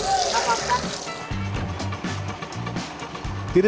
terus ini berhasilan men temples